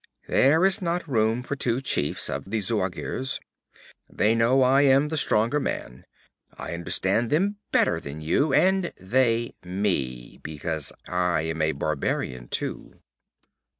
There is not room for two chiefs of the Zuagirs. They know I am the stronger man. I understand them better than you, and they, me; because I am a barbarian too.'